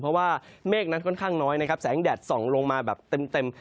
เพราะว่าเมฆนั้นค่อนข้างน้อยนะครับแสงแดดส่องลงมาแบบเต็ม